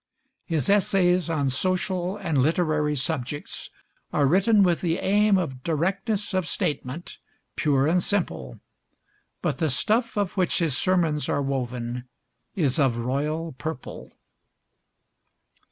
His essays on social and literary subjects are written with the aim of directness of statement, pure and simple; but the stuff of which his sermons are woven is of royal purple.